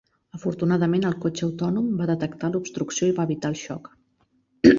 Afortunadament, el cotxe autònom va detectar l"obstrucció i va evitar el xoc.